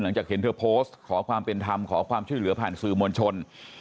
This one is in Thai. หลังจากเห็นเธอโพสต์ขอความเป็นธรรมขอความช่วยเหลือผ่านสื่อมวลชน